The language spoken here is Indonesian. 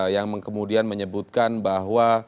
yang kemudian menyebutkan bahwa